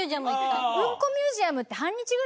うんこミュージアムって。